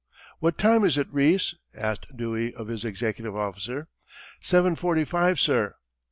"What time is it, Rees?" asked Dewey, of his executive officer. "Seven forty five, sir."